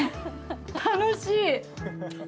楽しい。